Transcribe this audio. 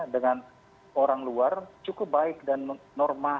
dengan orang luar cukup baik dan normal